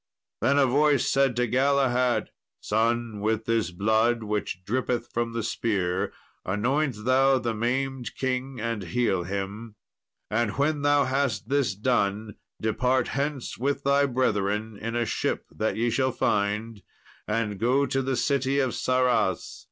Then a voice said to Galahad, "Son, with this blood which drippeth from the spear anoint thou the maimed king and heal him. And when thou hast this done, depart hence with thy brethren in a ship that ye shall find, and go to the city of Sarras.